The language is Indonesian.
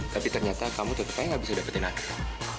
tapi ternyata kamu tetap aja gak bisa dapetin andrei